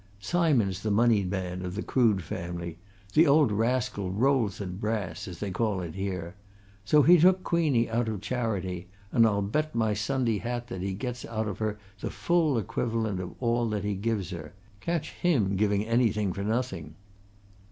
Simon's the moneyed man of the Crood family the old rascal rolls in brass, as they call it here. So he took Queenie out of charity, and I'll bet my Sunday hat that he gets out of her the full equivalent of all that he gives her! Catch him giving anything for nothing!"